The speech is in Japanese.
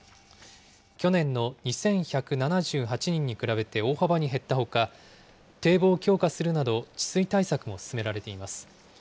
去年の２１７８人に比べて大幅に減ったほか、堤防を強化するなど、治水対策も進められています。